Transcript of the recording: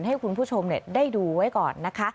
ให้คุณผู้ชมได้ดูไว้ก่อนนะคะ